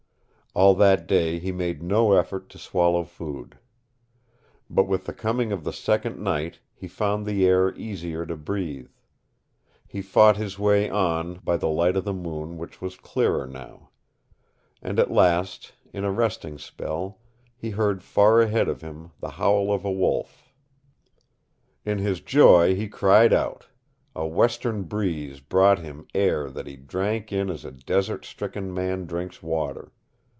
All that day he made no effort to swallow food. But with the coming of the second night he found the air easier to breathe. He fought his way on by the light of the moon which was clearer now. And at last, in a resting spell, he heard far ahead of him the howl of a wolf. In his joy he cried out. A western breeze brought him air that he drank in as a desert stricken man drinks water.